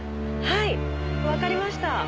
はいわかりました。